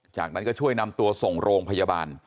จากนั้นก็ช่วยนำตัวส่งโรงพยาบาล